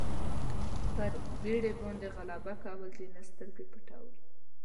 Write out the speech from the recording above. پر بېرې باندې غلبه کول دي نه سترګې پټول.